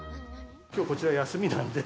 きょう、こちら休みなんで。